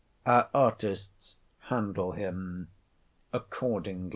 Our artists handle him accordingly.